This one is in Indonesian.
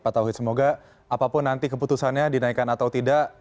pak tauhid semoga apapun nanti keputusannya dinaikkan atau tidak